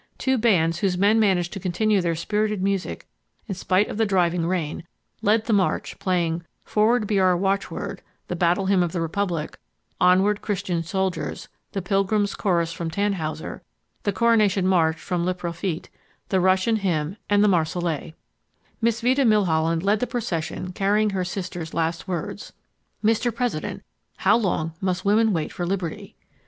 Two bands whose men managed to continue their spirited music in spite of the driving rain led the march playing "Forward Be Our Watchword"; "The Battle Hymn of the Republic"; "Onward Christian Soldiers"; "The Pilgrim's Chorus" from Tannhäuser; "The Coronation March" from Le Prophète, the Russian Hymn and "The Marsellaise" Miss Vida Milholland led the procession carrying her sister's last words, "Mr. President, how long must women wait for liberty?"